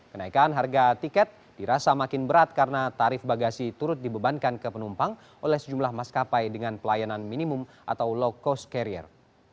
kenaikan harga tiket dirasa makin berat karena tarif bagasi turut dibebankan ke penumpang oleh sejumlah maskapai dengan pelayanan minimum atau low cost carrier